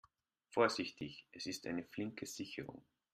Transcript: Vorsichtig, es ist eine flinke Sicherung.